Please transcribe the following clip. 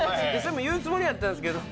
言うつもりだったんですけれども。